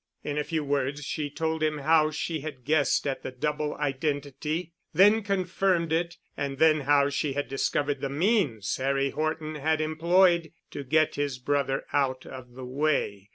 In a few words she told him how she had guessed at the double identity—then confirmed it, and then how she had discovered the means Harry Horton had employed to get his brother out of the way.